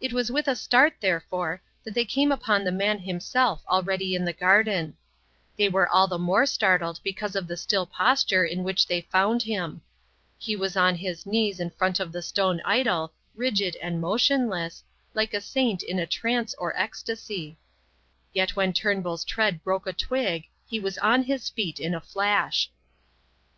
It was with a start, therefore, that they came upon the man himself already in the garden. They were all the more startled because of the still posture in which they found him. He was on his knees in front of the stone idol, rigid and motionless, like a saint in a trance or ecstasy. Yet when Turnbull's tread broke a twig, he was on his feet in a flash.